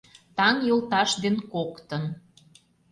Таҥ йолташ ден коктын